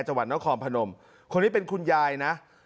จังหวัดนครพนมคนนี้เป็นคุณยายนะ